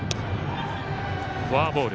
フォアボール。